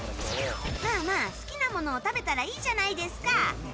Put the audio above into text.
まあまあ、好きなものを食べたらいいじゃないですか。